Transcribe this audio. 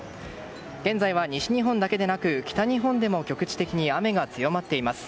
現在は、西日本だけでなく北日本でも局地的に雨が強まっています。